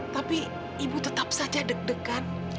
tapi ibu tetap saja deg degan